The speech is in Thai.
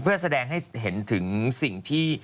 เพื่อแสดงให้เห็นถึงสิ่งที่